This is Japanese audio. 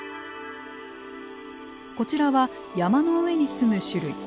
こちらは山の上に住む種類。